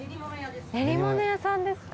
練り物屋さんですか。